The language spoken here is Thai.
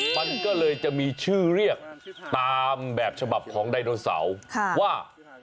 มันก็เลยจะมีชื่อเรียกตามแบบฉบับของไดโนเสาร์ว่า